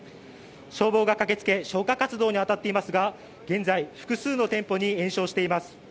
消防が駆け付け消火活動に当たっていますが現在複数の店舗に延焼しています。